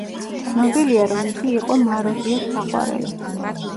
ცნობილია რომ იგი იყო მაროზიას საყვარელი.